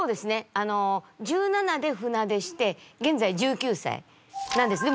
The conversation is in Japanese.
あの１７で船出してげんざい１９歳なんですね。